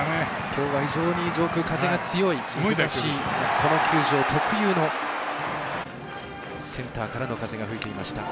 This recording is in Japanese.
きょうは非常に上空風が強いこの球場特有のセンターからの風が吹いていました。